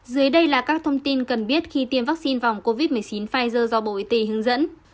dưới đây là các thông tin cần biết khi tiêm vaccine phòng covid một mươi chín pfizer do bộ y tế hướng dẫn